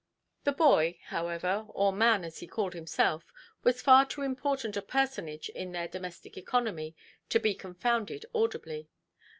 The boy, however, or man as he called himself, was far too important a personage in their domestic economy to be confounded audibly.